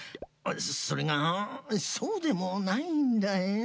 それがそうでもないんだよ。